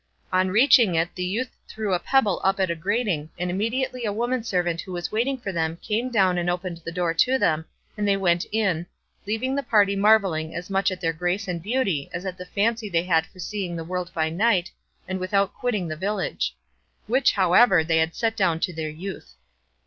On reaching it the youth threw a pebble up at a grating, and immediately a woman servant who was waiting for them came down and opened the door to them, and they went in, leaving the party marvelling as much at their grace and beauty as at the fancy they had for seeing the world by night and without quitting the village; which, however, they set down to their youth.